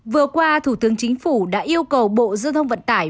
vừa qua thủ tướng chính phủ đã yêu cầu bộ giao thông vận tải